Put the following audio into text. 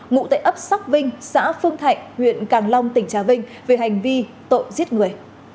ngụ tại ấp sắc vinh xã phương thạnh huyện càng long tỉnh trà vinh về hành vi tội giết người